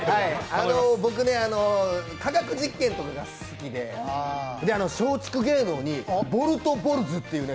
僕化学実験とかが好きで、松竹芸能にボルトポラズっていう